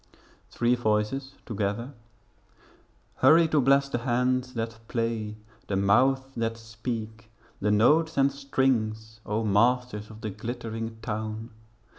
Three Voices together Hurry to bless the hands that play, The mouths that speak, the notes and strings, O masters of the glittering town!